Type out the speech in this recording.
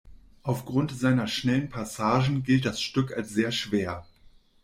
Aufgrund seiner schnellen Passagen gilt das Stück als sehr schwer.